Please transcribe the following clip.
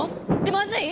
まずい！